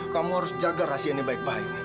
kamu harus jaga rahasia ini baik baik